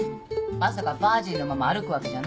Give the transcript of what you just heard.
まさかバージンのまま歩くわけじゃないよね？